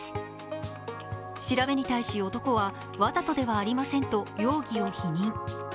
調べに対し、男は、わざとではありませんと容疑を否認。